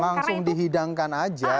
langsung dihidangkan aja